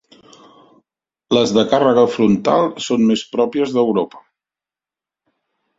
Les de càrrega frontal són més pròpies d'Europa.